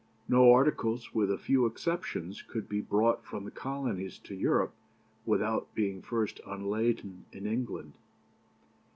No articles, with a few exceptions, could be brought from the Colonies to Europe without being first unladen in England.